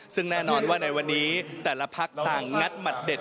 ซึ่งแน่นอนว่าในวันนี้แต่ละพักต่างงัดหมัดเด็ด